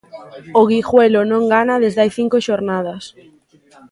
O Guijuelo non gana desde hai cinco xornadas.